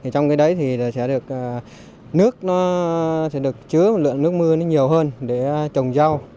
trong cái đấy thì sẽ được nước chứa một lượng nước mưa nhiều hơn để trồng rau